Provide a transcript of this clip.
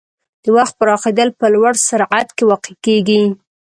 د وخت پراخېدل په لوړ سرعت کې واقع کېږي.